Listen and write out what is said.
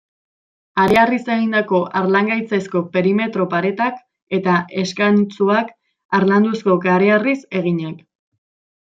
Hareharriz egindako harlangaitzezko perimetro-paretak, eta eskantzuak, harlanduzko kareharriz eginak.